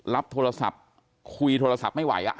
รับโทรศัพท์คุยโทรศัพท์ไม่ไหว